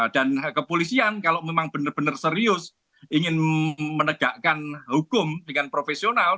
dan kepolisian kalau memang benar benar serius ingin menegakkan hukum dengan profesional